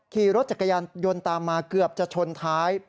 ขี่รถจักรยานยนต์ตามมาเกือบจะชนท้าย